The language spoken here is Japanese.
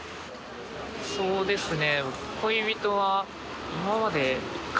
そうですね。